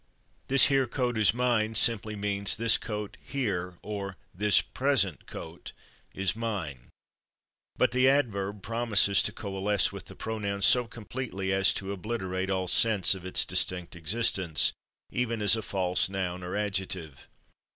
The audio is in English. "/This here/ coat is mine" simply means "this coat, /here/, or this /present/ coat, is mine." But the adverb promises to coalesce with the pronoun so completely as to obliterate all sense of its distinct existence, even as a false noun or adjective.